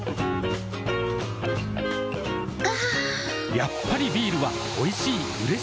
やっぱりビールはおいしい、うれしい。